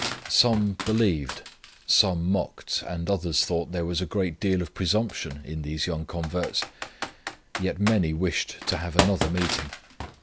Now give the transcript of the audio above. Some believed, some mocked, and others thought there was a great deal of presumption in these young converts; yet many wished to have another meeting.